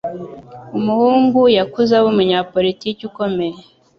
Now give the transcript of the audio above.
Umuhungu yakuze aba umunyapolitiki ukomeye.